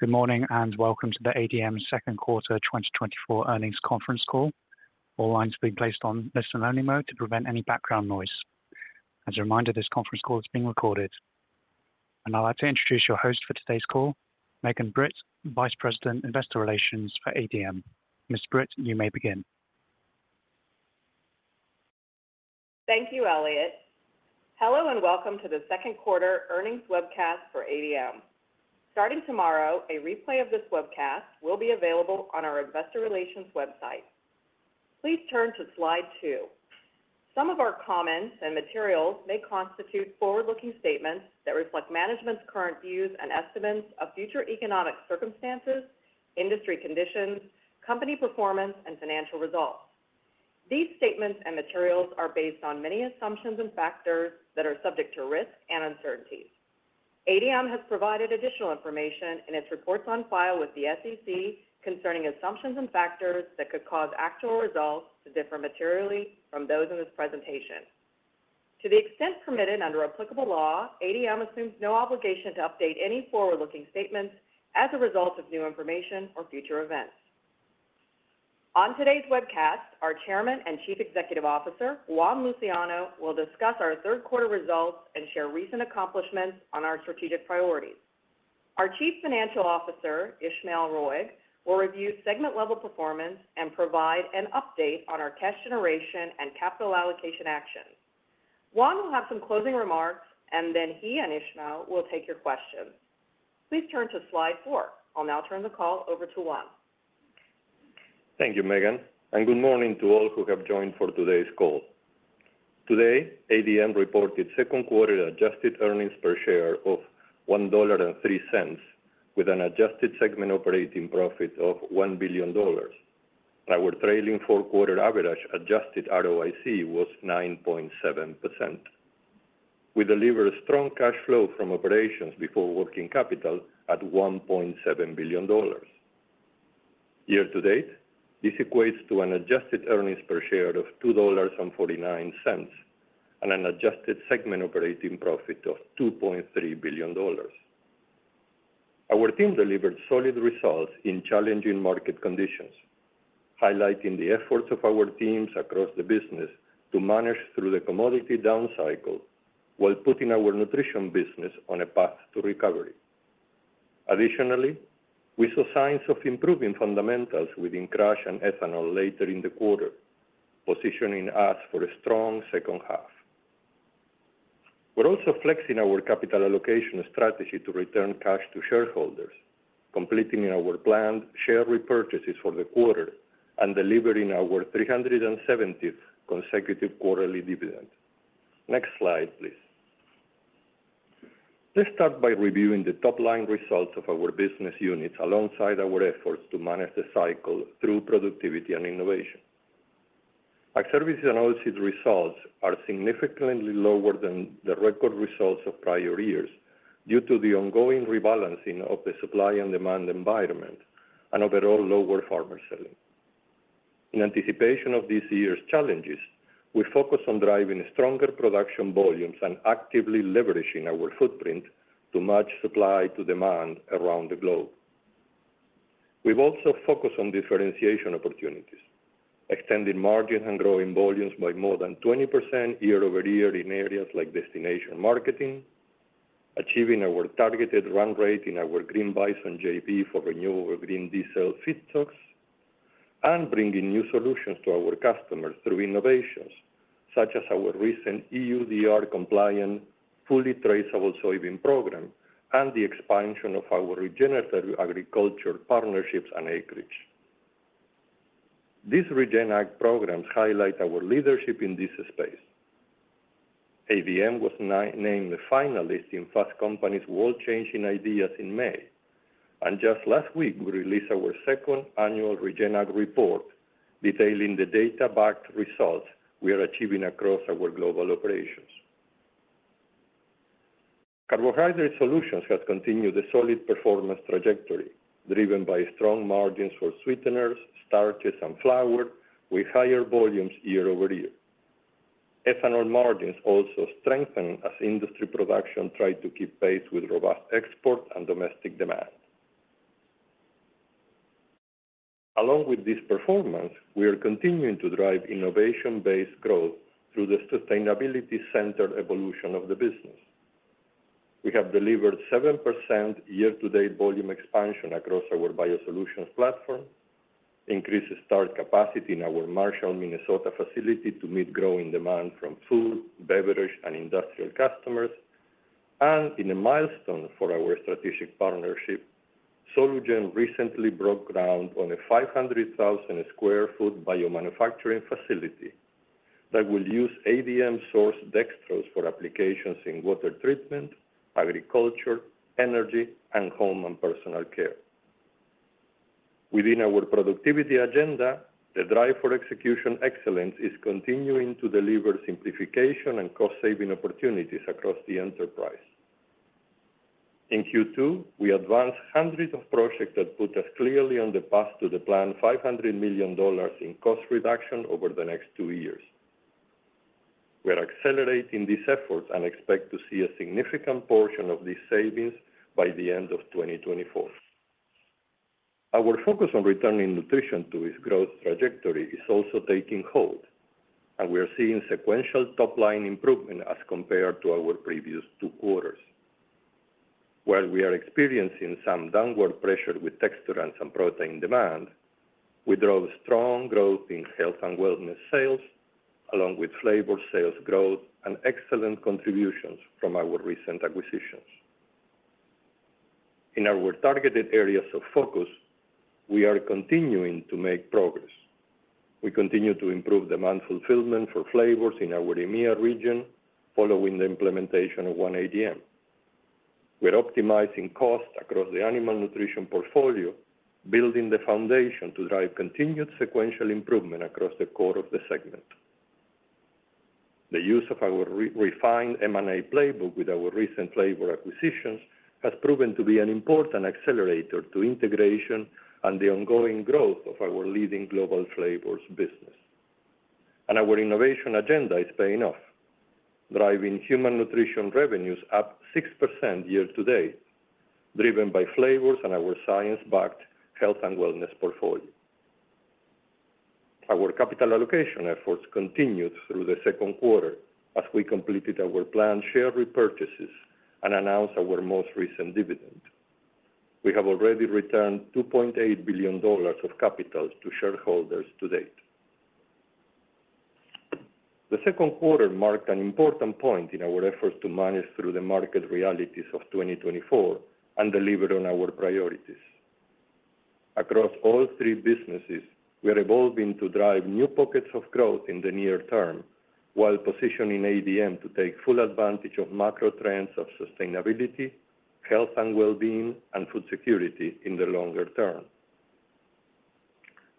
Good morning, and welcome to the ADM Second Quarter 2024 Earnings Conference Call. All lines have been placed on listen-only mode to prevent any background noise. As a reminder, this conference call is being recorded. I'd like to introduce your host for today's call, Megan Britt, Vice President, Investor Relations for ADM. Ms. Britt, you may begin. Thank you, Elliot. Hello, and welcome to the second quarter earnings webcast for ADM. Starting tomorrow, a replay of this webcast will be available on our investor relations website. Please turn to slide 2. Some of our comments and materials may constitute forward-looking statements that reflect management's current views and estimates of future economic circumstances, industry conditions, company performance, and financial results. These statements and materials are based on many assumptions and factors that are subject to risks and uncertainties. ADM has provided additional information in its reports on file with the SEC concerning assumptions and factors that could cause actual results to differ materially from those in this presentation. To the extent permitted under applicable law, ADM assumes no obligation to update any forward-looking statements as a result of new information or future events. On today's webcast, our Chairman and Chief Executive Officer, Juan Luciano, will discuss our third quarter results and share recent accomplishments on our strategic priorities. Our Chief Financial Officer, Ismael Roig, will review segment-level performance and provide an update on our cash generation and capital allocation actions. Juan will have some closing remarks, and then he and Ismael will take your questions. Please turn to slide 4. I'll now turn the call over to Juan. Thank you, Megan, and good morning to all who have joined for today's call. Today, ADM reported second-quarter adjusted earnings per share of $1.03, with an adjusted segment operating profit of $1 billion. Our trailing four-quarter average adjusted ROIC was 9.7%. We delivered strong cash flow from operations before working capital at $1.7 billion. Year to date, this equates to an adjusted earnings per share of $2.49 and an adjusted segment operating profit of $2.3 billion. Our team delivered solid results in challenging market conditions, highlighting the efforts of our teams across the business to manage through the commodity down cycle while putting our nutrition business on a path to recovery. Additionally, we saw signs of improving fundamentals within crush and ethanol later in the quarter, positioning us for a strong second half. We're also flexing our capital allocation strategy to return cash to shareholders, completing our planned share repurchases for the quarter and delivering our 370 consecutive quarterly dividend. Next slide, please. Let's start by reviewing the top-line results of our business units alongside our efforts to manage the cycle through productivity and innovation. Our services and oilseed results are significantly lower than the record results of prior years due to the ongoing rebalancing of the supply and demand environment and overall lower farmer selling. In anticipation of this year's challenges, we focus on driving stronger production volumes and actively leveraging our footprint to match supply to demand around the globe. We've also focused on differentiation opportunities, extending margins and growing volumes by more than 20% year-over-year in areas like destination marketing, achieving our targeted run rate in our Green Bison JV for renewable green diesel feedstocks, and bringing new solutions to our customers through innovations such as our recent EUDR-compliant, fully traceable soybean program and the expansion of our regenerative agriculture partnerships and acreage. These Regen Ag programs highlight our leadership in this space. ADM was named a finalist in Fast Company's World-Changing Ideas in May, and just last week, we released our second annual Regen Ag report, detailing the data-backed results we are achieving across our global operations. Carbohydrate Solutions has continued a solid performance trajectory, driven by strong margins for sweeteners, starches, and flour, with higher volumes year-over-year. Ethanol margins also strengthened as industry production tried to keep pace with robust export and domestic demand. Along with this performance, we are continuing to drive innovation-based growth through the sustainability-centered evolution of the business. We have delivered 7% year-to-date volume expansion across our BioSolutions platform, increased starch capacity in our Marshall, Minnesota, facility to meet growing demand from food, beverage, and industrial customers, and in a milestone for our strategic partnership, Solugen recently broke ground on a 500,000 sq ft biomanufacturing facility that will use ADM-sourced dextrose for applications in water treatment, agriculture, energy, and home and personal care. Within our productivity agenda, the drive for execution excellence is continuing to deliver simplification and cost-saving opportunities across the enterprise. In Q2, we advanced hundreds of projects that put us clearly on the path to the planned $500 million in cost reduction over the next two years... We are accelerating these efforts and expect to see a significant portion of these savings by the end of 2024. Our focus on returning Nutrition to its growth trajectory is also taking hold, and we are seeing sequential top-line improvement as compared to our previous two quarters. While we are experiencing some downward pressure with texture and some protein demand, we drove strong growth in Health & Wellness sales, along with flavor sales growth and excellent contributions from our recent acquisitions. In our targeted areas of focus, we are continuing to make progress. We continue to improve demand fulfillment for flavors in our EMEA region, following the implementation of One ADM. We're optimizing costs across the Animal Nutrition portfolio, building the foundation to drive continued sequential improvement across the core of the segment. The use of our re-refined M&A playbook with our recent flavor acquisitions has proven to be an important accelerator to integration and the ongoing growth of our leading global flavors business. Our innovation agenda is paying off, driving Human Nutrition revenues up 6% year to date, driven by flavors and our science-backed Health & Wellness portfolio. Our capital allocation efforts continued through the second quarter as we completed our planned share repurchases and announced our most recent dividend. We have already returned $2.8 billion of capital to shareholders to date. The second quarter marked an important point in our efforts to manage through the market realities of 2024 and deliver on our priorities. Across all three businesses, we are evolving to drive new pockets of growth in the near term, while positioning ADM to take full advantage of macro trends of sustainability, health and well-being, and food security in the longer term.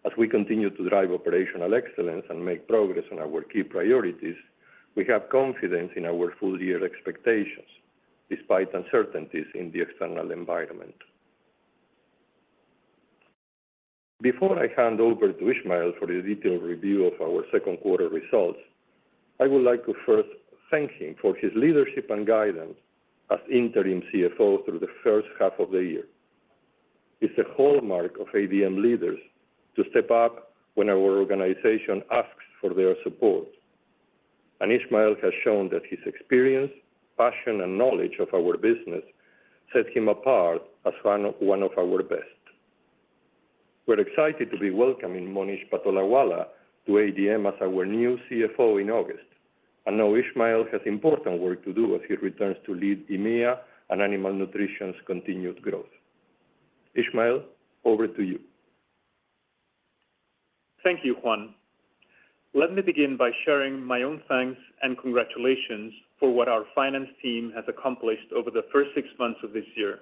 As we continue to drive operational excellence and make progress on our key priorities, we have confidence in our full year expectations, despite uncertainties in the external environment. Before I hand over to Ismael for the detailed review of our second quarter results, I would like to first thank him for his leadership and guidance as Interim CFO through the first half of the year. It's a hallmark of ADM leaders to step up when our organization asks for their support, and Ismael has shown that his experience, passion, and knowledge of our business set him apart as one of, one of our best. We're excited to be welcoming Monish Patolawala to ADM as our new CFO in August, and now Ismael has important work to do as he returns to lead EMEA and Animal Nutrition's continued growth. Ismael, over to you. Thank you, Juan. Let me begin by sharing my own thanks and congratulations for what our finance team has accomplished over the first six months of this year.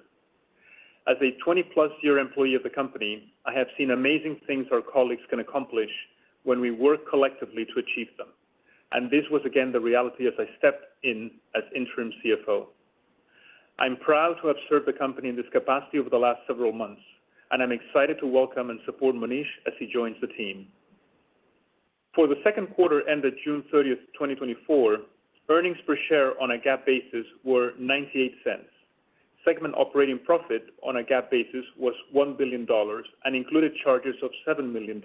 As a 20-plus year employee of the company, I have seen amazing things our colleagues can accomplish when we work collectively to achieve them, and this was again the reality as I stepped in as interim CFO. I'm proud to have served the company in this capacity over the last several months, and I'm excited to welcome and support Monish as he joins the team. For the second quarter, ended June 30, 2024, earnings per share on a GAAP basis were $0.98. Segment operating profit on a GAAP basis was $1 billion and included charges of $7 million,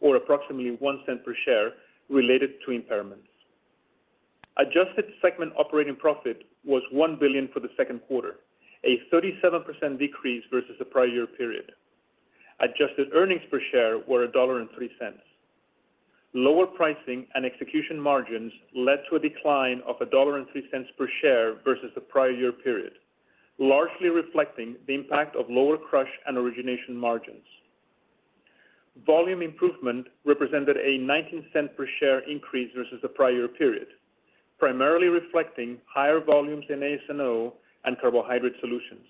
or approximately $0.01 per share, related to impairments. Adjusted segment operating profit was $1 billion for the second quarter, a 37% decrease versus the prior year period. Adjusted earnings per share were $1.03. Lower pricing and execution margins led to a decline of $1.03 per share versus the prior year period, largely reflecting the impact of lower crush and origination margins. Volume improvement represented a $0.19 per share increase versus the prior period, primarily reflecting higher volumes in AS&O and Carbohydrate Solutions.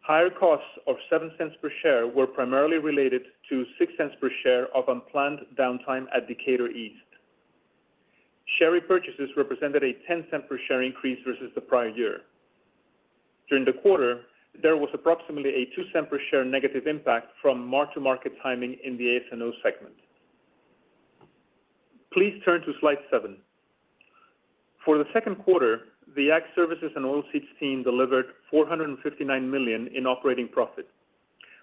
Higher costs of $0.07 per share were primarily related to $0.06 per share of unplanned downtime at Decatur East. Share repurchases represented a $0.10 per share increase versus the prior year. During the quarter, there was approximately a $0.02 per share negative impact from mark-to-market timing in the AS&O segment. Please turn to slide 7. For the second quarter, the Ag Services and Oilseeds team delivered $459 million in operating profit,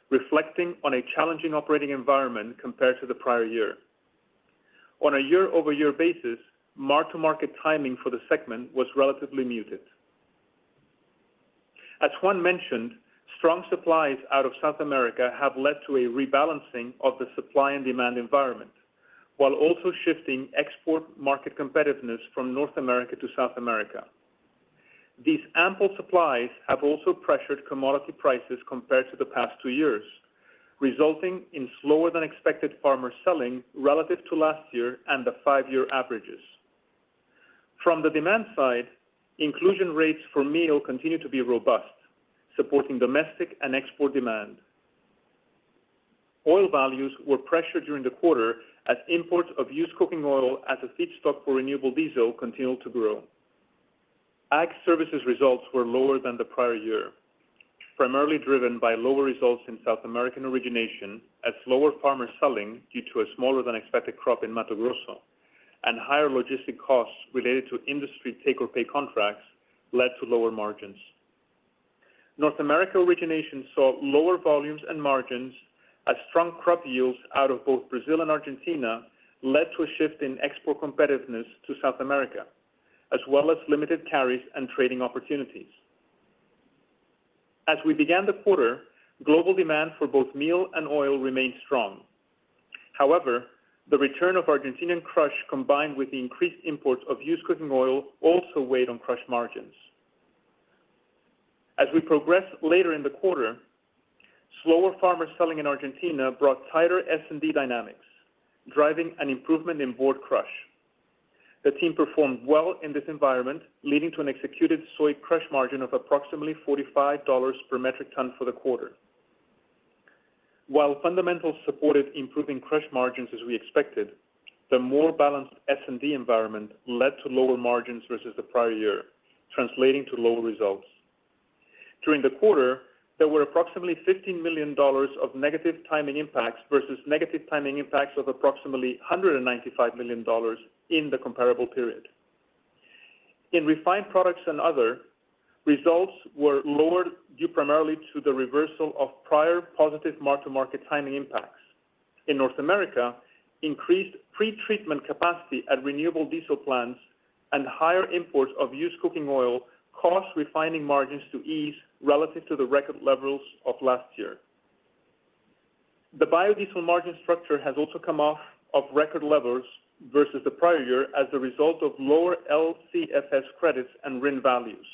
reflecting on a challenging operating environment compared to the prior year. On a year-over-year basis, mark-to-market timing for the segment was relatively muted. As Juan mentioned, strong supplies out of South America have led to a rebalancing of the supply and demand environment, while also shifting export market competitiveness from North America to South America. These ample supplies have also pressured commodity prices compared to the past two years, resulting in slower than expected farmer selling relative to last year and the five-year averages. From the demand side, inclusion rates for meal continue to be robust, supporting domestic and export demand. Oil values were pressured during the quarter as imports of used cooking oil as a feedstock for renewable diesel continued to grow.... Ag Services results were lower than the prior year, primarily driven by lower results in South American origination, as lower farmers selling due to a smaller than expected crop in Mato Grosso, and higher logistic costs related to industry take-or-pay contracts led to lower margins. North America origination saw lower volumes and margins as strong crop yields out of both Brazil and Argentina led to a shift in export competitiveness to South America, as well as limited carries and trading opportunities. As we began the quarter, global demand for both meal and oil remained strong. However, the return of Argentinian crush, combined with the increased imports of used cooking oil, also weighed on crush margins. As we progressed later in the quarter, slower farmer selling in Argentina brought tighter S&D dynamics, driving an improvement in Board Crush. The team performed well in this environment, leading to an executed soy crush margin of approximately $45 per metric ton for the quarter. While fundamentals supported improving crush margins as we expected, the more balanced S&D environment led to lower margins versus the prior year, translating to lower results. During the quarter, there were approximately $15 million of negative timing impacts versus negative timing impacts of approximately $195 million in the comparable period. In Refined Products and Other, results were lower, due primarily to the reversal of prior positive mark-to-market timing impacts. In North America, increased pretreatment capacity at renewable diesel plants and higher imports of used cooking oil caused refining margins to ease relative to the record levels of last year. The biodiesel margin structure has also come off of record levels versus the prior year as a result of lower LCFS credits and RIN values.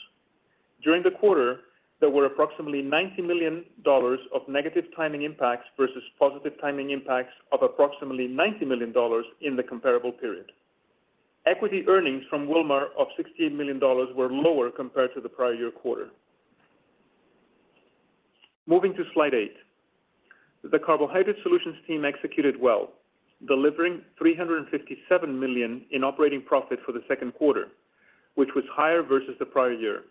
During the quarter, there were approximately $90 million of negative timing impacts versus positive timing impacts of approximately $90 million in the comparable period. Equity earnings from Wilmar of $16 million were lower compared to the prior year quarter. Moving to slide 8. The Carbohydrate Solutions team executed well, delivering $357 million in operating profit for the second quarter, which was higher versus the prior year.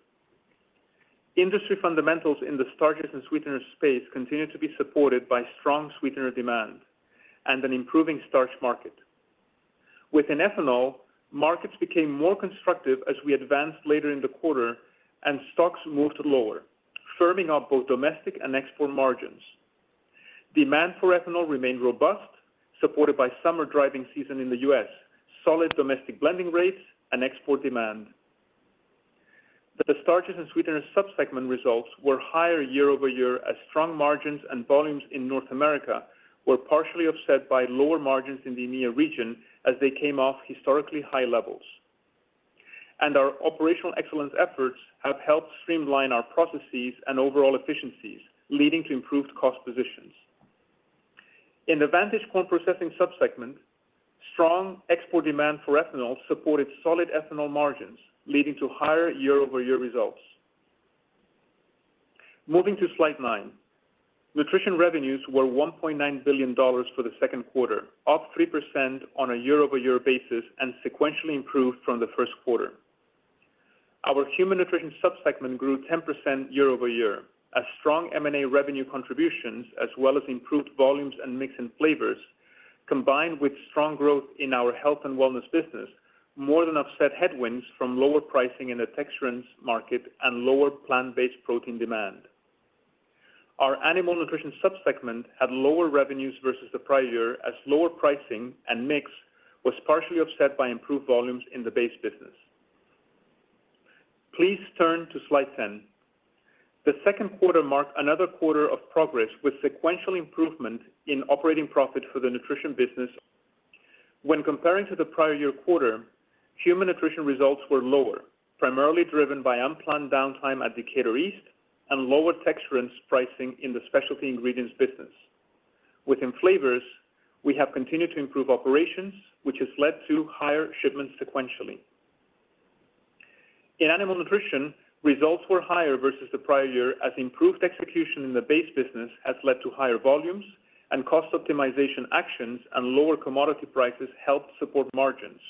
Industry fundamentals in the Starches and Sweeteners space continued to be supported by strong sweetener demand and an improving starch market. Within ethanol, markets became more constructive as we advanced later in the quarter and stocks moved lower, firming up both domestic and export margins. Demand for ethanol remained robust, supported by summer driving season in the U.S., solid domestic blending rates and export demand. The Starches and Sweeteners sub-segment results were higher year-over-year, as strong margins and volumes in North America were partially offset by lower margins in the EMEA region as they came off historically high levels. Our operational excellence efforts have helped streamline our processes and overall efficiencies, leading to improved cost positions. In the Vantage Corn Processors sub-segment, strong export demand for ethanol supported solid ethanol margins, leading to higher year-over-year results. Moving to slide 9. Nutrition revenues were $1.9 billion for the second quarter, up 3% on a year-over-year basis and sequentially improved from the first quarter. Our Human Nutrition sub-segment grew 10% year-over-year, as strong M&A revenue contributions, as well as improved volumes and mix in flavors, combined with strong growth in our Health & Wellness business, more than offset headwinds from lower pricing in the texturants market and lower plant-based protein demand. Our Animal Nutrition sub-segment had lower revenues versus the prior year, as lower pricing and mix was partially offset by improved volumes in the base business. Please turn to slide 10. The second quarter marked another quarter of progress, with sequential improvement in operating profit for the nutrition business. When comparing to the prior-year quarter, Human Nutrition results were lower, primarily driven by unplanned downtime at Decatur East and lower texturants pricing in the Specialty Ingredients business. Within flavors, we have continued to improve operations, which has led to higher shipments sequentially. In Animal Nutrition, results were higher versus the prior year, as improved execution in the base business has led to higher volumes and cost optimization actions and lower commodity prices helped support margins,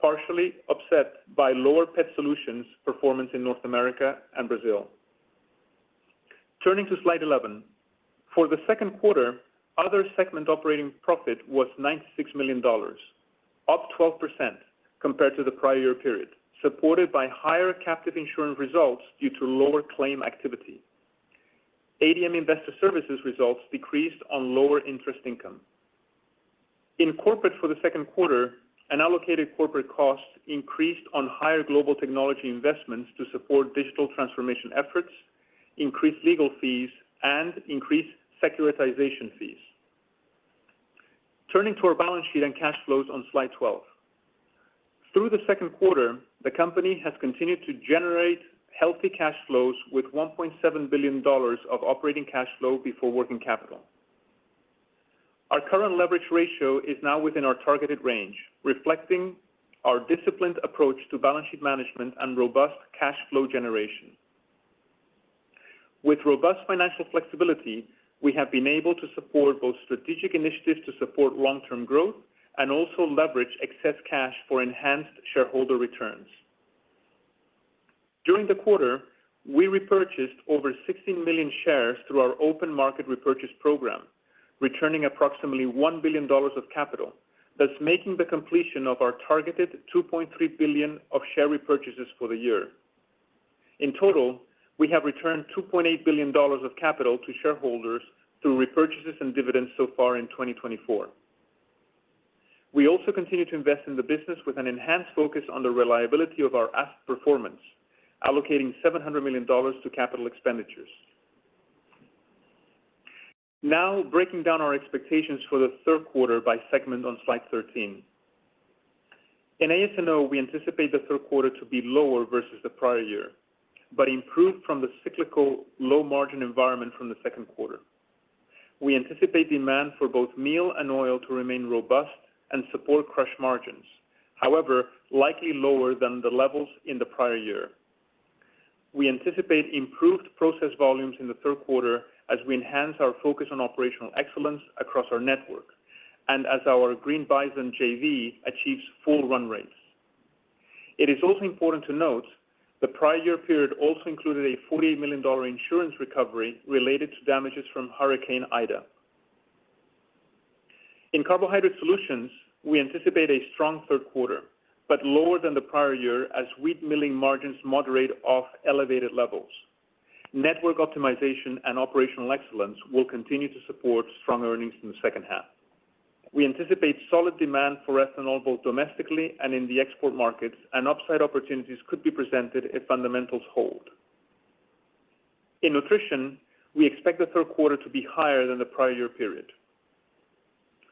partially offset by lower Pet Solutions performance in North America and Brazil. Turning to slide 11. For the second quarter, other segment operating profit was $96 million, up 12% compared to the prior year period, supported by higher captive insurance results due to lower claim activity. ADM Investor Services results decreased on lower interest income. In corporate for the second quarter, an allocated corporate cost increased on higher global technology investments to support digital transformation efforts, increased legal fees, and increased securitization fees. Turning to our balance sheet and cash flows on slide 12. Through the second quarter, the company has continued to generate healthy cash flows with $1.7 billion of operating cash flow before working capital. Our current leverage ratio is now within our targeted range, reflecting our disciplined approach to balance sheet management and robust cash flow generation. With robust financial flexibility, we have been able to support both strategic initiatives to support long-term growth and also leverage excess cash for enhanced shareholder returns. During the quarter, we repurchased over 16 million shares through our open market repurchase program, returning approximately $1 billion of capital, thus making the completion of our targeted $2.3 billion of share repurchases for the year. In total, we have returned $2.8 billion of capital to shareholders through repurchases and dividends so far in 2024. We also continue to invest in the business with an enhanced focus on the reliability of our asset performance, allocating $700 million to capital expenditures. Now, breaking down our expectations for the third quarter by segment on slide 13. In AS&O, we anticipate the third quarter to be lower versus the prior year, but improved from the cyclical low-margin environment from the second quarter. We anticipate demand for both meal and oil to remain robust and support crush margins, however, likely lower than the levels in the prior year. We anticipate improved process volumes in the third quarter as we enhance our focus on operational excellence across our network and as our Green Bison JV achieves full run rates. It is also important to note, the prior year period also included a $48 million insurance recovery related to damages from Hurricane Ida. In Carbohydrate Solutions, we anticipate a strong third quarter, but lower than the prior year as wheat milling margins moderate off elevated levels. Network optimization and operational excellence will continue to support strong earnings in the second half. We anticipate solid demand for ethanol, both domestically and in the export markets, and upside opportunities could be presented if fundamentals hold. In Nutrition, we expect the third quarter to be higher than the prior year period.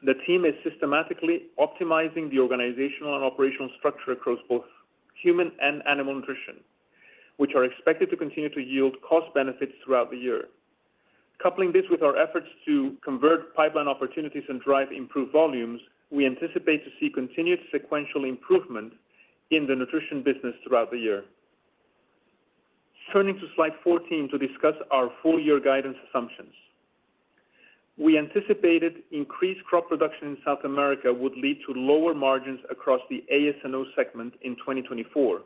The team is systematically optimizing the organizational and operational structure across both human and Animal Nutrition, which are expected to continue to yield cost benefits throughout the year. Coupling this with our efforts to convert pipeline opportunities and drive improved volumes, we anticipate to see continued sequential improvement in the Nutrition business throughout the year. Turning to Slide 14 to discuss our full year guidance assumptions. We anticipated increased crop production in South America would lead to lower margins across the AS&O segment in 2024,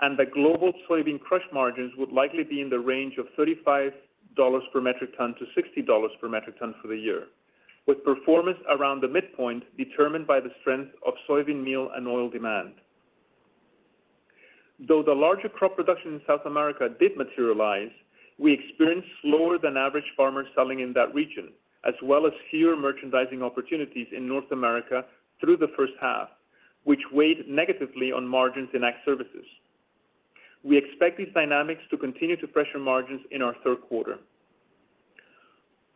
and the global soybean crush margins would likely be in the range of $35-$60 per metric ton for the year, with performance around the midpoint determined by the strength of soybean meal and oil demand. Though the larger crop production in South America did materialize, we experienced slower than average farmer selling in that region, as well as fewer merchandising opportunities in North America through the first half, which weighed negatively on margins in Ag Services. We expect these dynamics to continue to pressure margins in our third quarter.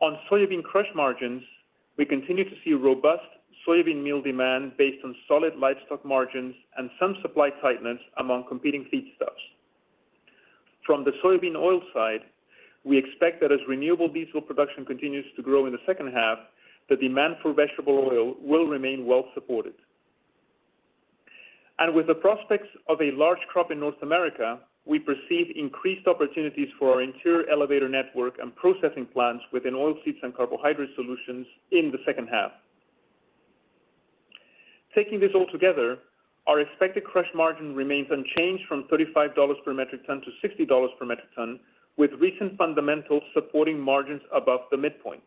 On soybean crush margins, we continue to see robust soybean meal demand based on solid livestock margins and some supply tightness among competing feedstuffs. From the soybean oil side, we expect that as renewable diesel production continues to grow in the second half, the demand for vegetable oil will remain well supported. With the prospects of a large crop in North America, we perceive increased opportunities for our interior elevator network and processing plants within oilseeds and carbohydrate solutions in the second half. Taking this all together, our expected crush margin remains unchanged from $35 per metric ton to $60 per metric ton, with recent fundamentals supporting margins above the midpoint.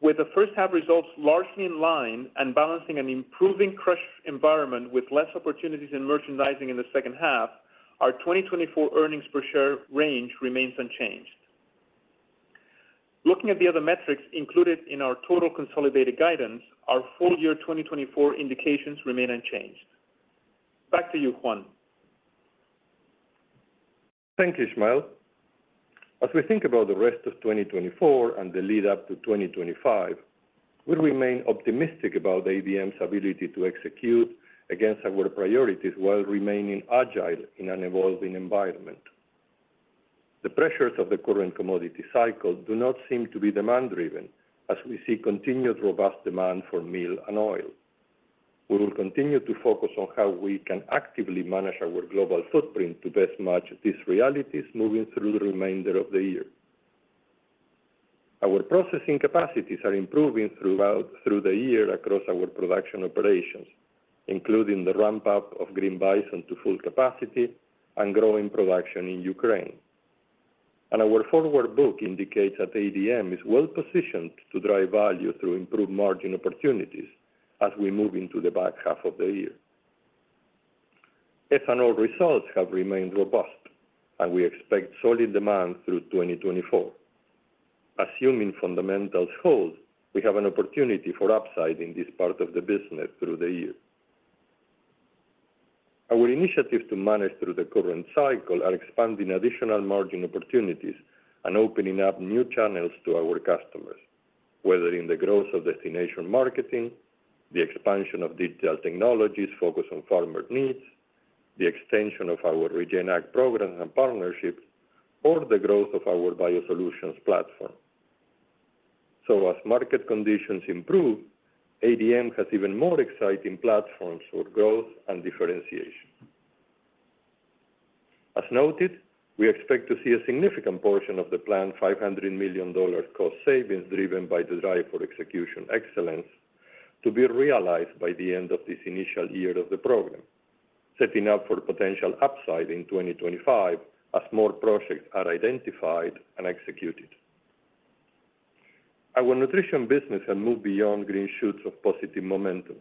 With the first half results largely in line and balancing an improving crush environment with less opportunities in merchandising in the second half, our 2024 earnings per share range remains unchanged. Looking at the other metrics included in our total consolidated guidance, our full year 2024 indications remain unchanged. Back to you, Juan. Thank you, Ismael. As we think about the rest of 2024 and the lead up to 2025, we remain optimistic about ADM's ability to execute against our priorities while remaining agile in an evolving environment. The pressures of the current commodity cycle do not seem to be demand-driven, as we see continued robust demand for meal and oil. We will continue to focus on how we can actively manage our global footprint to best match these realities moving through the remainder of the year. Our processing capacities are improving through the year across our production operations, including the ramp-up of Green Bison to full capacity and growing production in Ukraine. And our forward book indicates that ADM is well positioned to drive value through improved margin opportunities as we move into the back half of the year. Ethanol results have remained robust, and we expect solid demand through 2024. Assuming fundamentals hold, we have an opportunity for upside in this part of the business through the year. Our initiatives to manage through the current cycle are expanding additional margin opportunities and opening up new channels to our customers, whether in the growth of destination marketing, the expansion of digital technologies focused on farmer needs, the extension of our Regen Ag programs and partnerships, or the growth of our BioSolutions platform. So as market conditions improve, ADM has even more exciting platforms for growth and differentiation. As noted, we expect to see a significant portion of the planned $500 million cost savings driven by the drive for execution excellence to be realized by the end of this initial year of the program, setting up for potential upside in 2025 as more projects are identified and executed. Our nutrition business has moved beyond green shoots of positive momentum.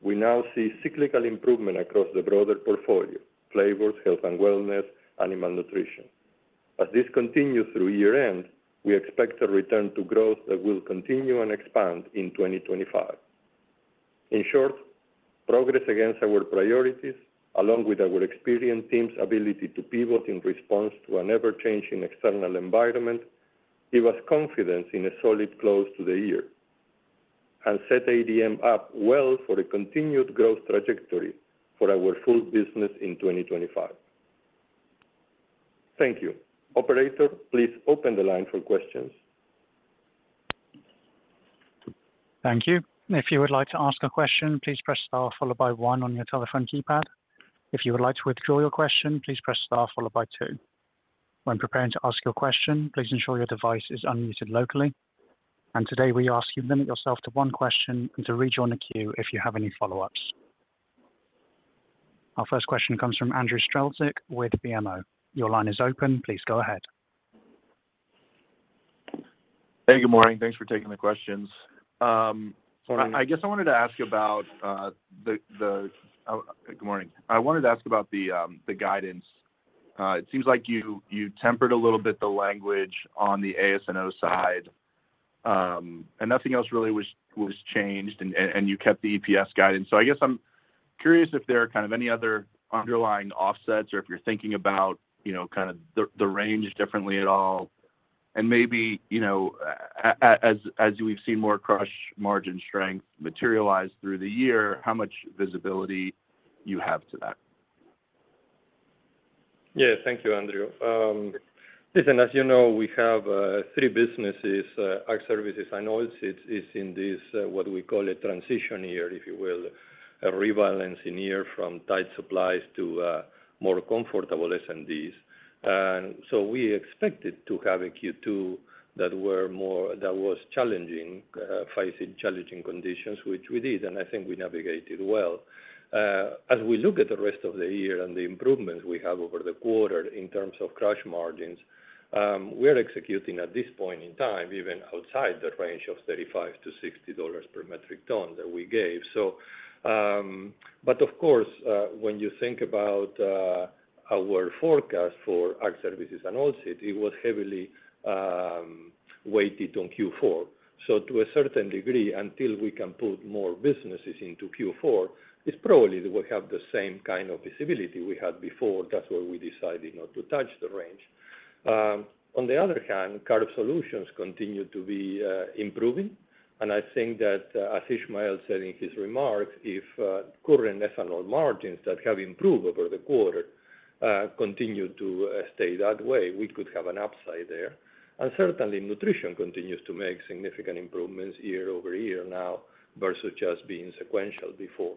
We now see cyclical improvement across the broader portfolio, flavors, Health & Wellness, Animal Nutrition. As this continues through year-end, we expect a return to growth that will continue and expand in 2025. In short, progress against our priorities, along with our experienced team's ability to pivot in response to an ever-changing external environment, give us confidence in a solid close to the year, and set ADM up well for a continued growth trajectory for our full business in 2025. Thank you. Operator, please open the line for questions. Thank you. If you would like to ask a question, please press star followed by one on your telephone keypad. If you would like to withdraw your question, please press star followed by two. When preparing to ask your question, please ensure your device is unmuted locally. Today, we ask you limit yourself to one question and to rejoin the queue if you have any follow-ups. Our first question comes from Andrew Strelzik with BMO. Your line is open. Please go ahead. Hey, good morning. Thanks for taking the questions. Morning. Good morning. I wanted to ask about the guidance. It seems like you tempered a little bit the language on the AS&O side, and nothing else really was changed and you kept the EPS guidance. So I guess I'm curious if there are kind of any other underlying offsets or if you're thinking about, you know, kind of the range differently at all, and maybe, you know, as we've seen more crush margin strength materialize through the year, how much visibility you have to that? Yeah. Thank you, Andrew. Listen, as you know, we have three businesses, our Ag Services and Oilseeds is in this what we call a transition year, if you will, a rebalancing year from tight supplies to more comfortable S&Ds. And so we expected to have a Q2 that was challenging, facing challenging conditions, which we did, and I think we navigated well. As we look at the rest of the year and the improvements we have over the quarter in terms of crush margins, we are executing at this point in time, even outside that range of $35-$60 per metric ton that we gave. So, but of course, when you think about our forecast for Ag Services and Oilseeds, it was heavily weighted on Q4. So to a certain degree, until we can put more businesses into Q4, it's probably that we have the same kind of visibility we had before. That's why we decided not to touch the range. On the other hand, Carb Solutions continue to be improving, and I think that, as Ismael said in his remarks, if current ethanol margins that have improved over the quarter continue to stay that way, we could have an upside there. And certainly, Nutrition continues to make significant improvements year-over-year now versus just being sequential before.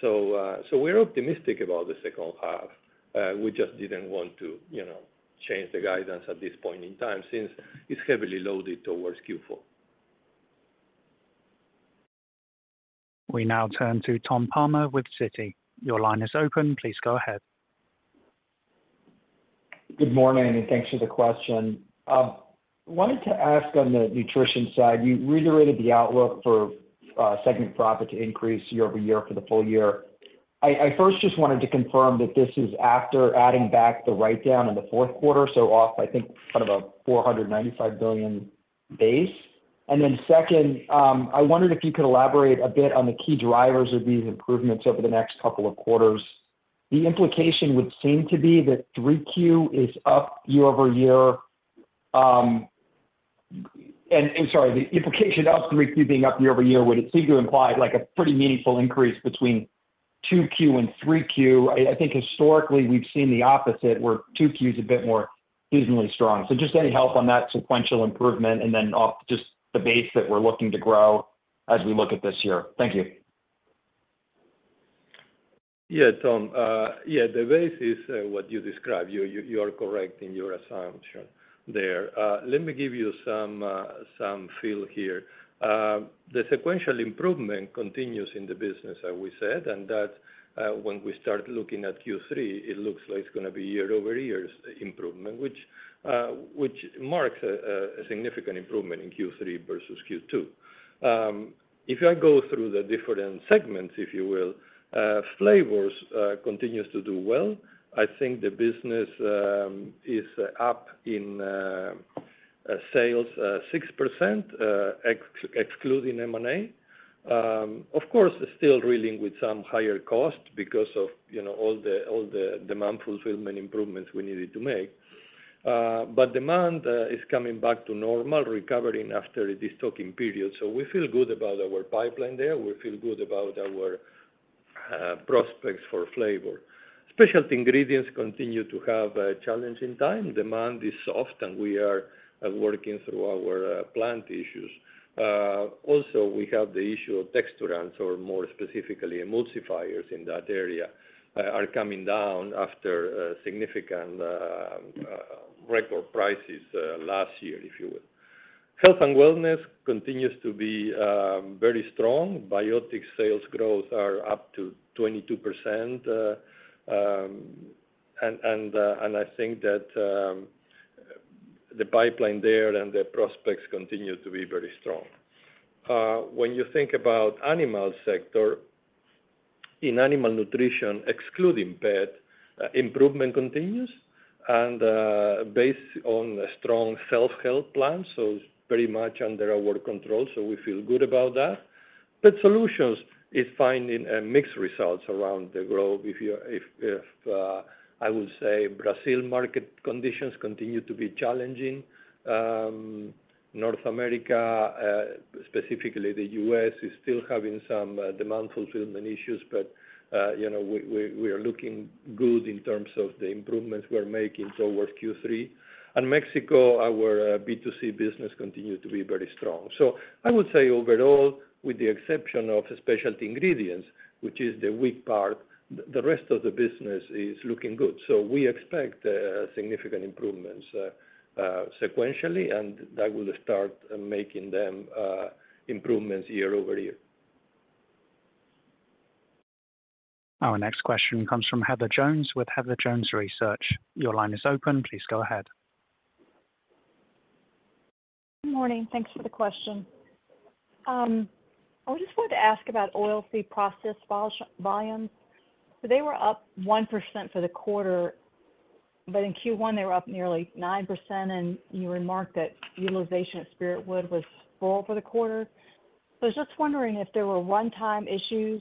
So, so we're optimistic about the second half. We just didn't want to, you know, change the guidance at this point in time since it's heavily loaded towards Q4. We now turn to Tom Palmer with Citi. Your line is open. Please go ahead. Good morning, and thanks for the question. Wanted to ask on the nutrition side, you reiterated the outlook for segment profit to increase year-over-year for the full year. I first just wanted to confirm that this is after adding back the write-down in the fourth quarter, so off, I think, kind of a $495 million base. And then second, I wondered if you could elaborate a bit on the key drivers of these improvements over the next couple of quarters. The implication would seem to be that 3Q is up year-over-year. Sorry, the implication of 3Q being up year-over-year would seem to imply like a pretty meaningful increase between 2Q and 3Q. I think historically, we've seen the opposite, where 2Q is a bit more seasonally strong. Just any help on that sequential improvement, and then off just the base that we're looking to grow as we look at this year. Thank you. Yeah, Tom. Yeah, the base is what you described. You are correct in your assumption there. Let me give you some feel here. The sequential improvement continues in the business, as we said, and that when we start looking at Q3, it looks like it's gonna be year-over-year improvement, which marks a significant improvement in Q3 versus Q2. If I go through the different segments, if you will, flavors continues to do well. I think the business is up in sales 6% excluding M&A. Of course, it's still reeling with some higher cost because of, you know, all the demand fulfillment improvements we needed to make. But demand is coming back to normal, recovering after destocking period. So we feel good about our pipeline there. We feel good about our prospects for flavor. Specialty Ingredients continue to have a challenging time. Demand is soft, and we are working through our plant issues. Also, we have the issue of texturants, or more specifically, emulsifiers in that area are coming down after significant record prices last year, if you will. Health & Wellness continues to be very strong. Biotic sales growth are up 22%, and I think that the pipeline there and the prospects continue to be very strong. When you think about animal sector, in Animal Nutrition excluding pet, improvement continues, and based on a strong self-help plan, so it's pretty much under our control, so we feel good about that. BioSolutions is finding mixed results around the globe. I would say Brazil market conditions continue to be challenging. North America, specifically the U.S., is still having some demand fulfillment issues, but you know, we are looking good in terms of the improvements we're making towards Q3. Mexico, our B2C business continued to be very strong. I would say overall, with the exception of Specialty Ingredients, which is the weak part, the rest of the business is looking good. We expect significant improvements sequentially, and that will start making them improvements year over year. Our next question comes from Heather Jones with Heather Jones Research. Your line is open. Please go ahead. Good morning. Thanks for the question. I just wanted to ask about oilseed processing volumes. So they were up 1% for the quarter, but in Q1, they were up nearly 9%, and you remarked that utilization at Spiritwood was full for the quarter. So I was just wondering if there were one-time issues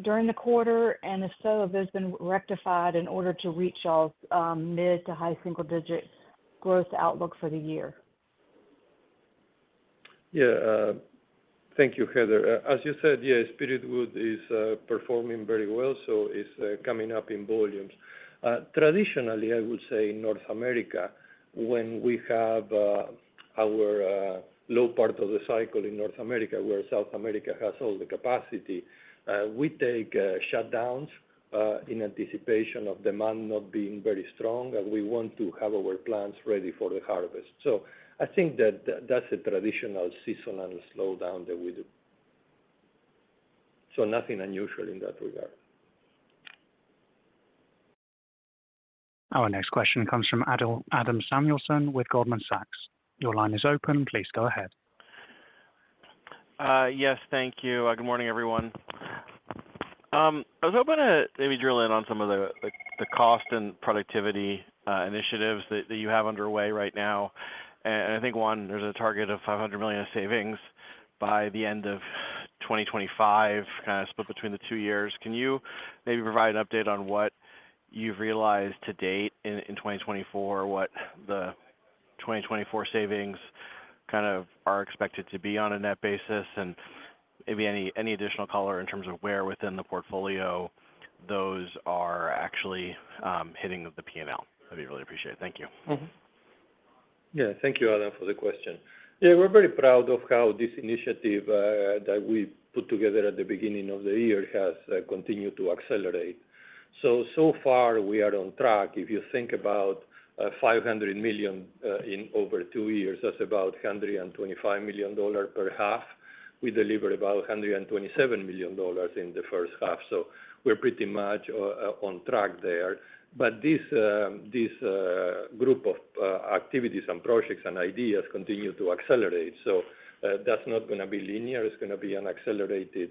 during the quarter, and if so, if it's been rectified in order to reach y'all's, mid to high single digit growth outlook for the year? Yeah, thank you, Heather. As you said, yeah, Spiritwood is performing very well, so it's coming up in volumes. Traditionally, I would say in North America, when we have our low part of the cycle in North America, where South America has all the capacity, we take shutdowns in anticipation of demand not being very strong, and we want to have our plants ready for the harvest. So I think that that's a traditional seasonal slowdown that we do. So nothing unusual in that regard. Our next question comes from Adam Samuelson with Goldman Sachs. Your line is open. Please go ahead. Yes, thank you. Good morning, everyone. I was hoping to maybe drill in on some of the cost and productivity initiatives that you have underway right now. And I think one, there's a target of $500 million in savings by the end of 2025, kind of, split between the two years. Can you maybe provide an update on what you've realized to date in 2024, what the 2024 savings kind of are expected to be on a net basis? And maybe any additional color in terms of where within the portfolio those are actually hitting the P&L. I'd really appreciate it. Thank you. Mm-hmm. Yeah. Thank you, Adam, for the question. Yeah, we're very proud of how this initiative that we put together at the beginning of the year has continued to accelerate. So, so far we are on track. If you think about $500 million in over two years, that's about $125 million per half. We delivered about $127 million in the first half, so we're pretty much on track there. But this group of activities and projects and ideas continue to accelerate. So, that's not gonna be linear, it's gonna be an accelerated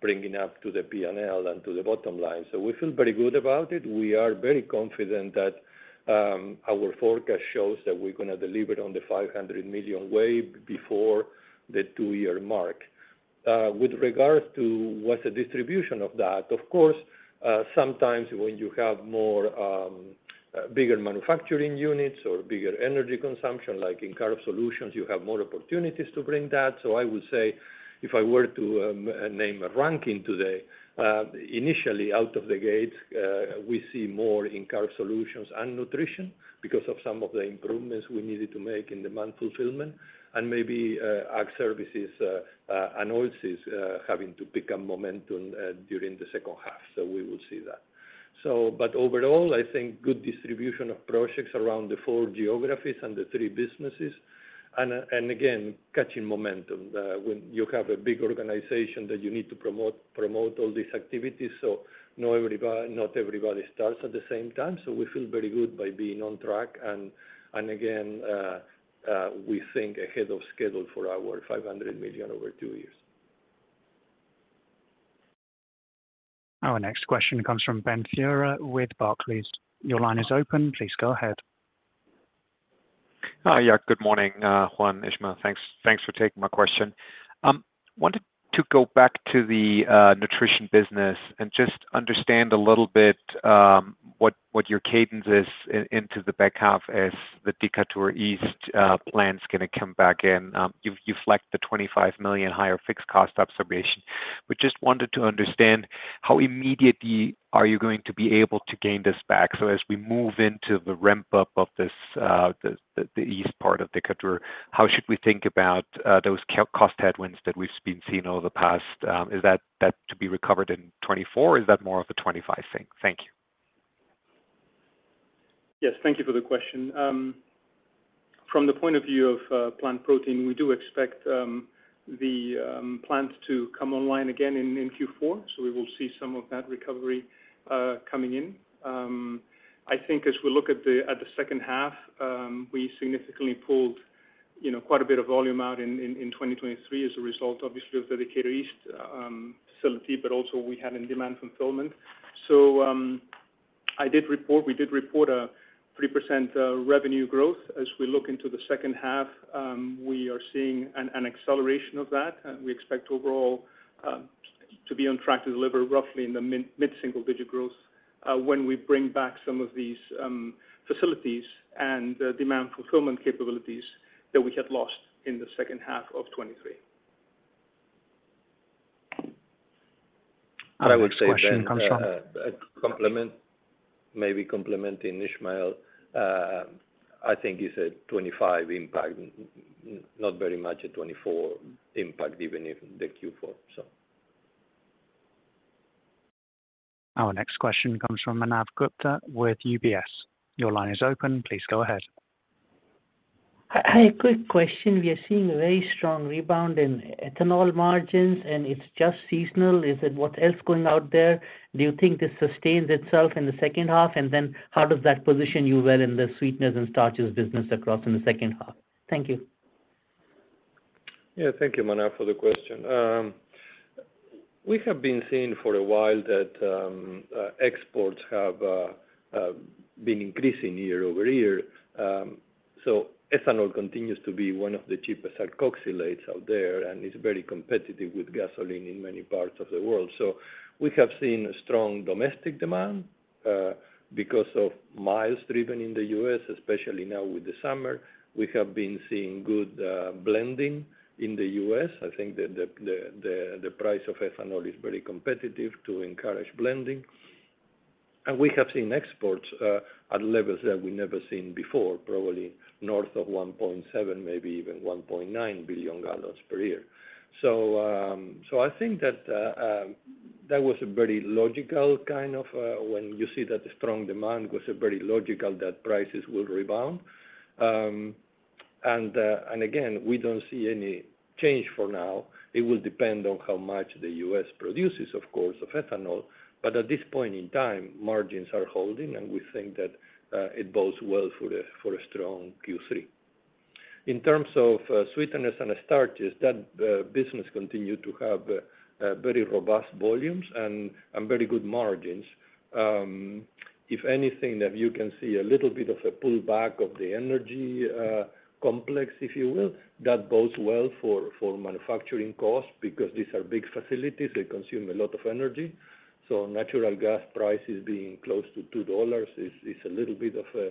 bringing up to the P&L and to the bottom line. So we feel very good about it. We are very confident that, our forecast shows that we're gonna deliver on the $500 million way before the two-year mark. With regards to what's the distribution of that, of course, sometimes when you have more, bigger manufacturing units or bigger energy consumption, like in Carbohydrate Solutions, you have more opportunities to bring that. So I would say, if I were to, name a ranking today, initially out of the gate, we see more in Carbohydrate Solutions and Nutrition because of some of the improvements we needed to make in demand fulfillment. And maybe, Ag Services and Oilseeds is, having to pick up momentum, during the second half, so we will see that. So, but overall, I think good distribution of projects around the four geographies and the three businesses, and, and again, catching momentum, when you have a big organization that you need to promote, promote all these activities, so not everybody, not everybody starts at the same time. So we feel very good by being on track, and, and again, we think ahead of schedule for our $500 million over two years. Our next question comes from Ben Theurer with Barclays. Your line is open. Please go ahead. Yeah, good morning, Juan, Ismael. Thanks, thanks for taking my question. Wanted to go back to the nutrition business and just understand a little bit what your cadence is into the back half as the Decatur East plant's gonna come back in. You flagged the $25 million higher fixed cost observation. We just wanted to understand, how immediately are you going to be able to gain this back? So as we move into the ramp-up of this, the east part of the country, how should we think about, those cost headwinds that we've been seeing over the past, is that to be recovered in 2024, or is that more of a 2025 thing? Thank you. Yes, thank you for the question. From the point of view of plant protein, we do expect the plant to come online again in Q4, so we will see some of that recovery coming in. I think as we look at the second half, we significantly pulled, you know, quite a bit of volume out in 2023 as a result, obviously, of Decatur East facility, but also we had demand fulfillment. So, I did report... We did report a 3% revenue growth. As we look into the second half, we are seeing an acceleration of that, and we expect overall to be on track to deliver roughly in the mid-single digit growth when we bring back some of these facilities and the demand fulfillment capabilities that we had lost in the second half of 2023. Our next question comes from- I would say that a complement, maybe complementing Ismael, I think it's a 2025 impact, not very much a 2024 impact, even if the Q4, so. Our next question comes from Manav Gupta with UBS. Your line is open. Please go ahead. Hi, quick question. We are seeing a very strong rebound in ethanol margins, and it's just seasonal. Is it what else going out there? Do you think this sustains itself in the second half? And then how does that position you well in the sweeteners and starches business across in the second half? Thank you. Yeah, thank you, Manav, for the question. We have been seeing for a while that exports have been increasing year over year. So ethanol continues to be one of the cheapest alkoxylates out there, and it's very competitive with gasoline in many parts of the world. So we have seen strong domestic demand because of miles driven in the U.S, especially now with the summer. We have been seeing good blending in the U.S.. I think the price of ethanol is very competitive to encourage blending. And we have seen exports at levels that we've never seen before, probably north of 1.7, maybe even 1.9 billion gallons per year. So, I think that that was a very logical kind of when you see that the strong demand was a very logical that prices will rebound. And again, we don't see any change for now. It will depend on how much the U.S. produces, of course, of ethanol, but at this point in time, margins are holding, and we think that it bodes well for a strong Q3. In terms of sweeteners and starches, that business continue to have very robust volumes and very good margins. If anything, that you can see a little bit of a pullback of the energy complex, if you will, that bodes well for manufacturing costs because these are big facilities, they consume a lot of energy, so natural gas prices being close to $2 is a little bit of a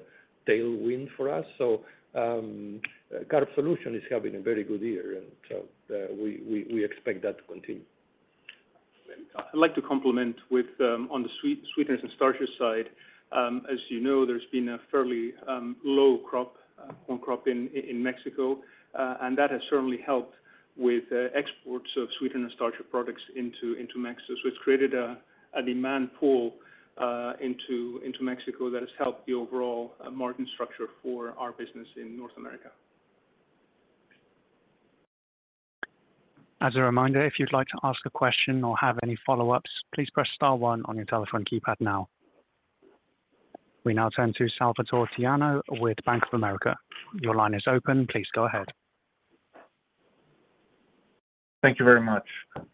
tailwind for us. So, Carb Solutions is having a very good year, and so, we expect that to continue. I'd like to comment on the sweetness and starches side. As you know, there's been a fairly low corn crop in Mexico, and that has certainly helped with exports of sweetener and starch products into Mexico. So it's created a demand pull into Mexico that has helped the overall margin structure for our business in North America. As a reminder, if you'd like to ask a question or have any follow-ups, please press star one on your telephone keypad now. We now turn to Salvator Tiano with Bank of America. Your line is open. Please go ahead. Thank you very much.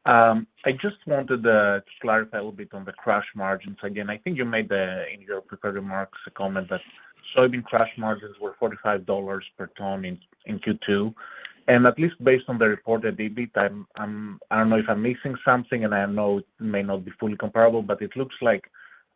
I just wanted to clarify a little bit on the crush margins. Again, I think you made the, in your prepared remarks, a comment that soybean crush margins were $45 per ton in Q2. And at least based on the report that they beat, I'm. I don't know if I'm missing something, and I know it may not be fully comparable, but it looks like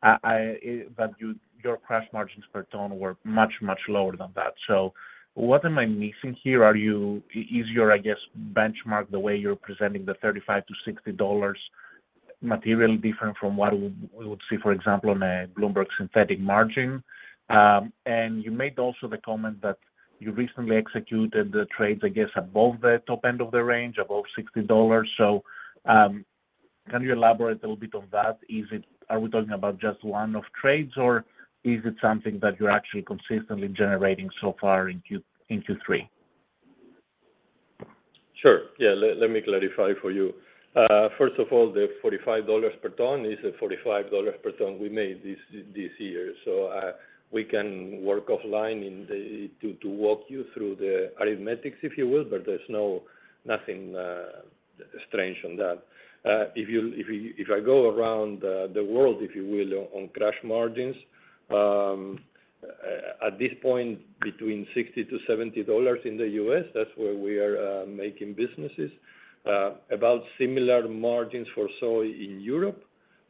your crush margins per ton were much, much lower than that. So what am I missing here? Are you easier, I guess, benchmark the way you're presenting the $35-$60 materially different from what we would see, for example, on a Bloomberg synthetic margin. And you made also the comment that you recently executed the trades, I guess, above the top end of the range, above $60. So, can you elaborate a little bit on that? Is it, are we talking about just one-off trades, or is it something that you're actually consistently generating so far in Q3? Sure. Yeah. Let me clarify for you. First of all, the $45 per ton is a $45 per ton we made this, this year. So, we can work offline in the, to, to walk you through the arithmetic, if you will, but there's no nothing, strange on that. If you-- if I go around, the world, if you will, on, on crush margins, at this point, between $60-$70 in the U.S., that's where we are, making businesses. About similar margins for soy in Europe.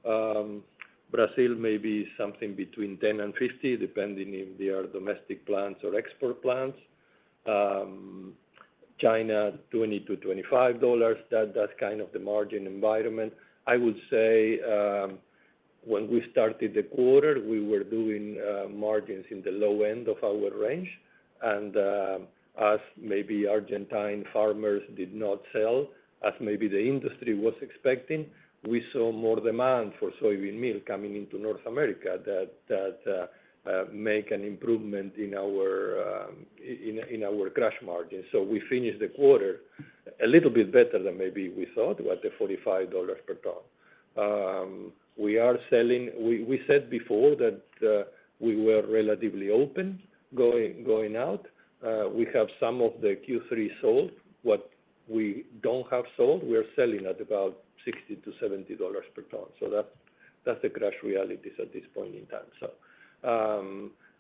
Brazil may be something between $10 and $50, depending if they are domestic plants or export plants. China, $20-$25, that's kind of the margin environment. I would say, when we started the quarter, we were doing margins in the low end of our range. As maybe Argentine farmers did not sell, as maybe the industry was expecting, we saw more demand for soybean meal coming into North America that made an improvement in our crush margin. So we finished the quarter a little bit better than maybe we thought, about $45 per ton. We are selling—we said before that we were relatively open, going out. We have some of the Q3 sold. What we don't have sold, we are selling at about $60-$70 per ton. So that's the crush realities at this point in time. So,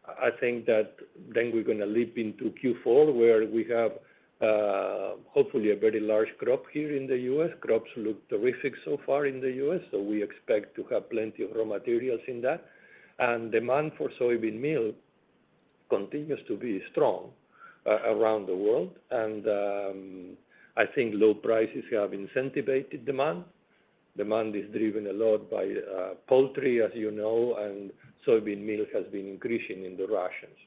I think that then we're gonna leap into Q4, where we have, hopefully, a very large crop here in the U.S. Crops look terrific so far in the U.S., so we expect to have plenty of raw materials in that. And demand for soybean meal continues to be strong around the world, and, I think low prices have incentivized demand. Demand is driven a lot by, poultry, as you know, and soybean meal has been increasing in the rations.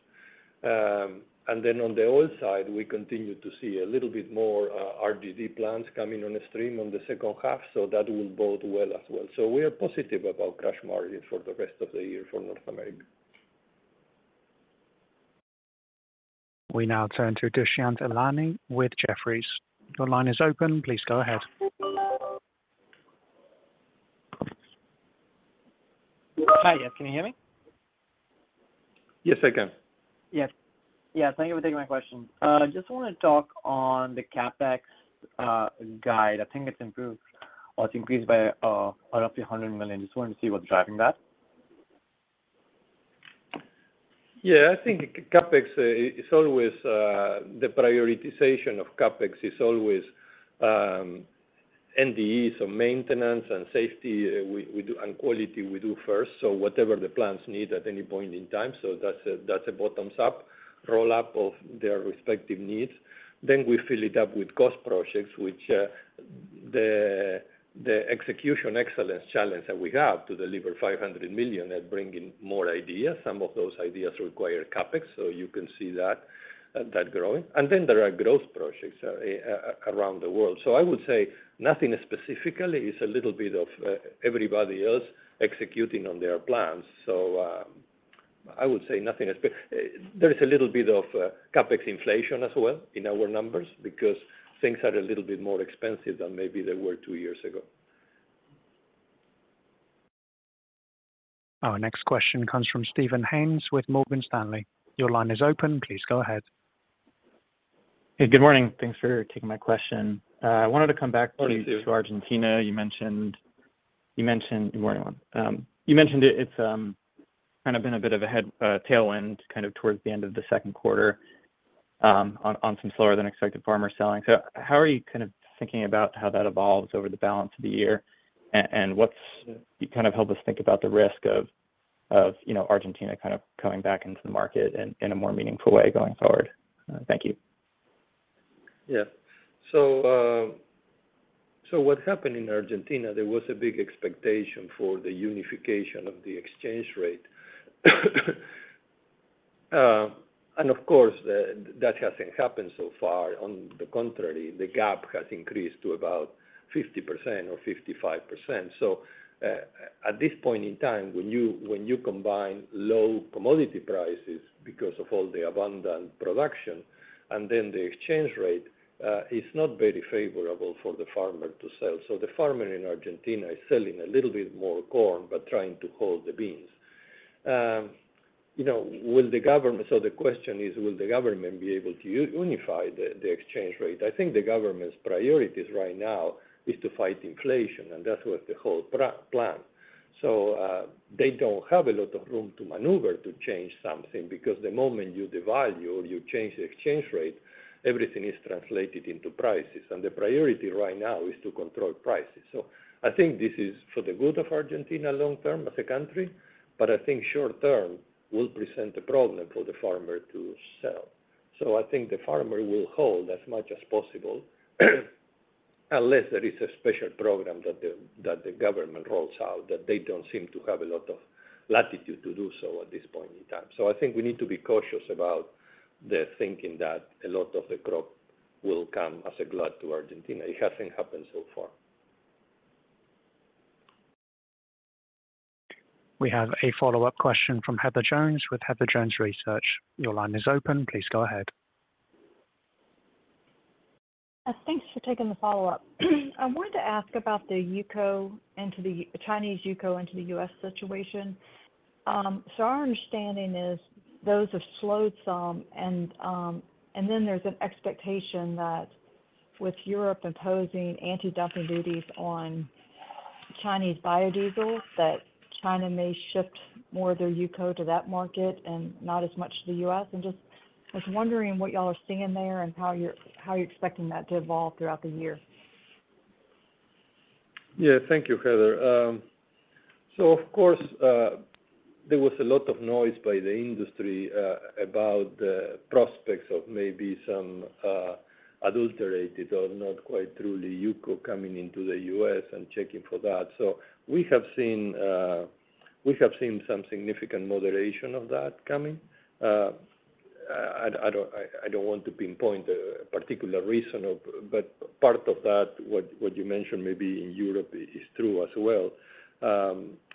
And then on the oil side, we continue to see a little bit more, RGD plants coming on stream on the second half, so that will bode well as well. So we are positive about crush margin for the rest of the year for North America. We now turn to Dushyant Ailani with Jefferies. Your line is open. Please go ahead. Hi, yes, can you hear me? Yes, I can. Yes. Yes, thank you for taking my question. Just want to talk on the CapEx guide. I think it's improved or it's increased by, roughly $100 million. Just wanted to see what's driving that? Yeah, I think CapEx is always the prioritization of CapEx is always NDE, so maintenance and safety we do, and quality we do first. So whatever the plants need at any point in time, so that's a bottoms-up roll-up of their respective needs. Then we fill it up with cost projects, which the execution excellence challenge that we have to deliver $500 million at bringing more ideas. Some of those ideas require CapEx, so you can see that growing. And then there are growth projects around the world. So I would say nothing specifically. It's a little bit of everybody else executing on their plans. So, I would say nothing. There is a little bit of CapEx inflation as well in our numbers because things are a little bit more expensive than maybe they were two years ago. Our next question comes from Steven Haynes with Morgan Stanley. Your line is open. Please go ahead. Hey, good morning. Thanks for taking my question. I wanted to come back Morning to you. to Argentina. You mentioned, good morning, you mentioned it, it's kind of been a bit of a head, tailwind, kind of, towards the end of the second quarter, on some slower than expected farmer selling. So how are you, kind of, thinking about how that evolves over the balance of the year? And what's, you kind of helped us think about the risk of, you know, Argentina kind of coming back into the market in a more meaningful way going forward. Thank you. Yeah. So, what happened in Argentina, there was a big expectation for the unification of the exchange rate. And of course, that hasn't happened so far. On the contrary, the gap has increased to about 50% or 55%. So, at this point in time, when you combine low commodity prices because of all the abundant production, and then the exchange rate, it's not very favorable for the farmer to sell. So the farmer in Argentina is selling a little bit more corn, but trying to hold the beans. You know, will the government, so the question is, will the government be able to unify the exchange rate? I think the government's priorities right now is to fight inflation, and that was the whole plan. So, they don't have a lot of room to maneuver to change something, because the moment you devalue or you change the exchange rate, everything is translated into prices, and the priority right now is to control prices. So I think this is for the good of Argentina long term as a country, but I think short term will present a problem for the farmer to sell. So I think the farmer will hold as much as possible, unless there is a special program that the government rolls out, that they don't seem to have a lot of latitude to do so at this point in time. So I think we need to be cautious about the thinking that a lot of the crop will come as a glut to Argentina. It hasn't happened so far. We have a follow-up question from Heather Jones with Heather Jones Research. Your line is open. Please go ahead. Thanks for taking the follow-up. I wanted to ask about the UCO into the Chinese UCO into the U.S. situation. So our understanding is those have slowed some, and then there's an expectation that with Europe imposing anti-dumping duties on Chinese biodiesel, that China may shift more of their UCO to that market and not as much to the U.S.. And just, I was wondering what y'all are seeing there and how you're expecting that to evolve throughout the year? Yeah, thank you, Heather. So of course, there was a lot of noise by the industry about the prospects of maybe some adulterated or not quite truly UCO coming into the U.S. and checking for that. So we have seen, we have seen some significant moderation of that coming. I don't want to pinpoint a particular reason, but part of that, what you mentioned maybe in Europe is true as well.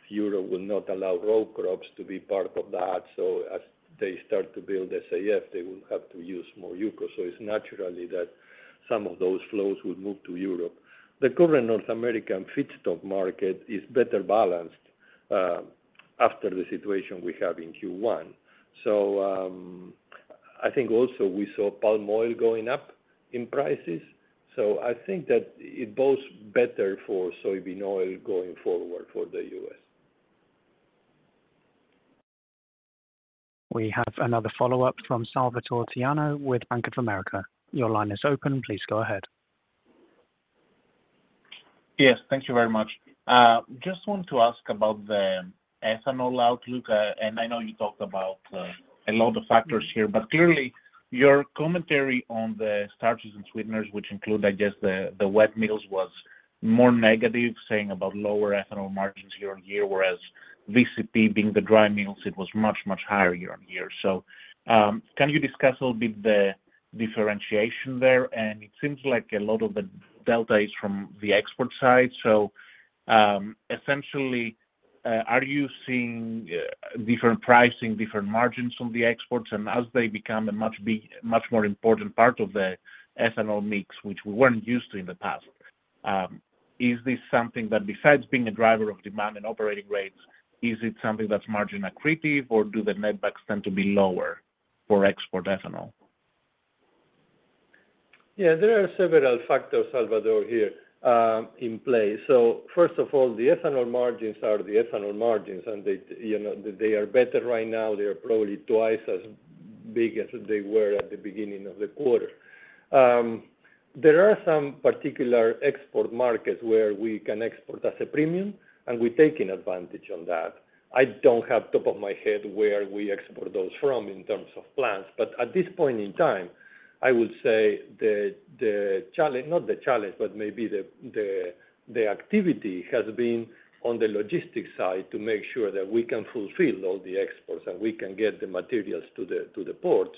Europe will not allow raw crops to be part of that, so as they start to build, they say, yes, they will have to use more UCO. So it's natural that some of those flows would move to Europe. The current North American feedstock market is better balanced after the situation we have in Q1. So, I think also we saw palm oil going up in prices, so I think that it bodes better for soybean oil going forward for the U.S. We have another follow-up from Salvator Tiano with Bank of America. Your line is open. Please go ahead. Yes, thank you very much. Just want to ask about the ethanol outlook. And I know you talked about a lot of factors here, but clearly, your commentary on the Starches and Sweeteners, which include, I guess, the wet mills, was more negative, saying about lower ethanol margins year-on-year, whereas VCP, being the dry mills, it was much, much higher year-on-year. So, can you discuss a little bit the differentiation there? And it seems like a lot of the delta is from the export side. So, essentially, are you seeing different pricing, different margins from the exports? As they become a much more important part of the ethanol mix, which we weren't used to in the past, is this something that, besides being a driver of demand and operating rates, is it something that's margin accretive, or do the netbacks tend to be lower for export ethanol? Yeah, there are several factors, Salvatore, here in play. So first of all, the ethanol margins are the ethanol margins, and they, you know, they are better right now. They are probably twice as big as they were at the beginning of the quarter. There are some particular export markets where we can export as a premium, and we're taking advantage on that. I don't have top of my head where we export those from in terms of plants, but at this point in time, I would say the activity has been on the logistics side to make sure that we can fulfill all the exports, and we can get the materials to the ports.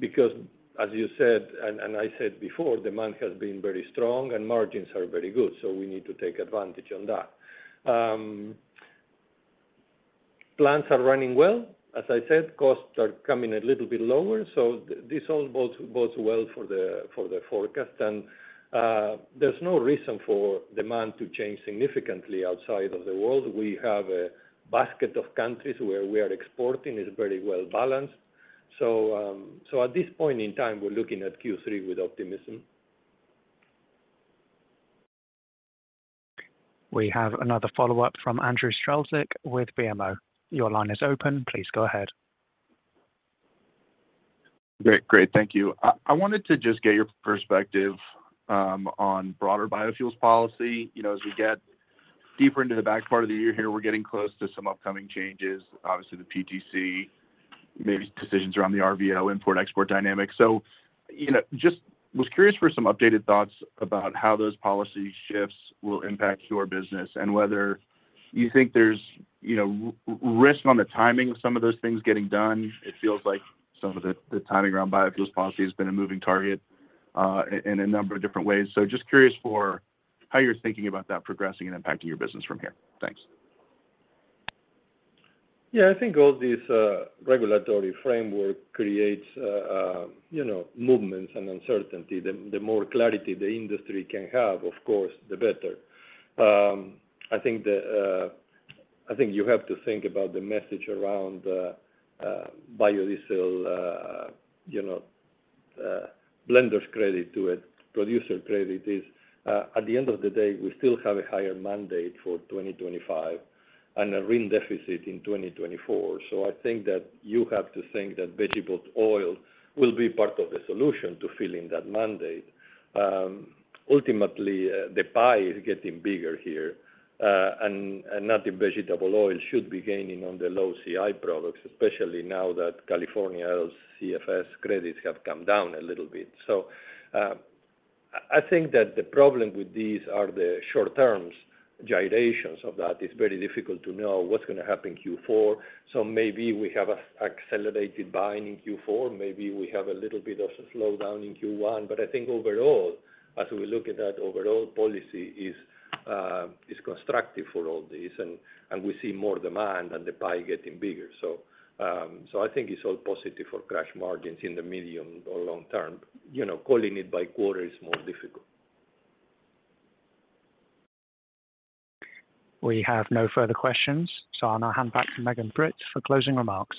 Because as you said, and I said before, demand has been very strong and margins are very good, so we need to take advantage on that. Plants are running well. As I said, costs are coming a little bit lower, so this all bodes well for the forecast. And there's no reason for demand to change significantly outside of the world. We have a basket of countries where we are exporting, is very well-balanced. So at this point in time, we're looking at Q3 with optimism. We have another follow-up from Andrew Strelzik with BMO. Your line is open. Please go ahead. Great. Great, thank you. I wanted to just get your perspective on broader biofuels policy. You know, as we get deeper into the back part of the year here, we're getting close to some upcoming changes. Obviously, the PTC, maybe decisions around the RVO import-export dynamic. So, you know, just was curious for some updated thoughts about how those policy shifts will impact your business, and whether you think there's, you know, risk on the timing of some of those things getting done. It feels like some of the timing around biofuels policy has been a moving target in a number of different ways. So just curious for how you're thinking about that progressing and impacting your business from here. Thanks. Yeah, I think all this regulatory framework creates, you know, movements and uncertainty. The more clarity the industry can have, of course, the better. I think you have to think about the message around biodiesel, you know, Blenders Credit to it, Producer Credit is, at the end of the day, we still have a higher mandate for 2025 and a real deficit in 2024. So I think that you have to think that vegetable oil will be part of the solution to filling that mandate. Ultimately, the pie is getting bigger here, and I think vegetable oil should be gaining on the low CI products, especially now that California's LCFS credits have come down a little bit. So, I think that the problem with these are the short-term gyrations of that. It's very difficult to know what's going to happen in Q4, so maybe we have an accelerated buying in Q4, maybe we have a little bit of a slowdown in Q1. But I think overall, as we look at that, overall policy is constructive for all this, and we see more demand and the pie getting bigger. So, I think it's all positive for crush margins in the medium or long term. You know, calling it by quarter is more difficult. We have no further questions, so I'll now hand back to Megan Britt for closing remarks.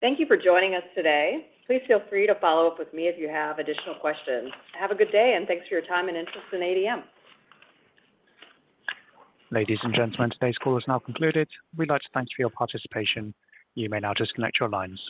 Thank you for joining us today. Please feel free to follow up with me if you have additional questions. Have a good day, and thanks for your time and interest in ADM. Ladies and gentlemen, today's call is now concluded. We'd like to thank you for your participation. You may now disconnect your lines.